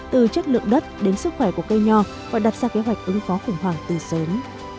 từ chất lượng đất đến sức khỏe của cây nho và đặt ra kế hoạch ứng phó khủng hoảng từ sớm